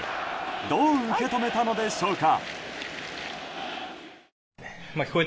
どう受け止めたのでしょうか。